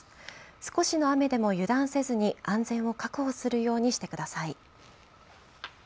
少しの雨でも油断せずに安全を確保するようにしてください。